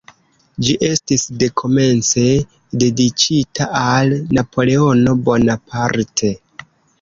Ĝi estis dekomence dediĉita al Napoleono Bonaparte.